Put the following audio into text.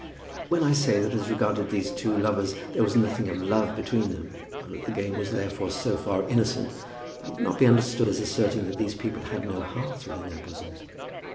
When I say that as regarded these two lovers there was nothing of love between them, and that the game was therefore so far innocent, I would not be understood as asserting that these people had no hearts within their bosoms.